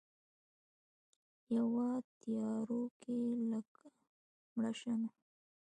یوه تیارو کې لکه مړه شمعه